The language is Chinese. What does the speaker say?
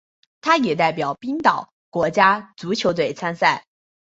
他也代表冰岛国家足球队参赛。